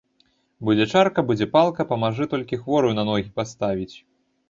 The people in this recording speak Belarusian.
Будзе чарка, будзе палка, памажы толькі хворую на ногі паставіць.